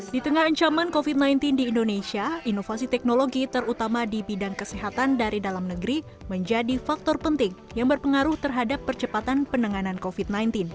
di tengah ancaman covid sembilan belas di indonesia inovasi teknologi terutama di bidang kesehatan dari dalam negeri menjadi faktor penting yang berpengaruh terhadap percepatan penanganan covid sembilan belas